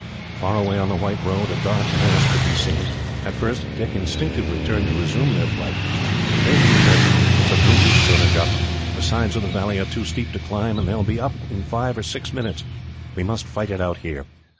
Far away on the white road, a dark mass could be seen. At first, Dick instinctively turned to resume their flight, but then he said: "It is of no use, Surajah. The sides of the valley are too steep to climb, and they will be up in five or six minutes. We must fight it out here.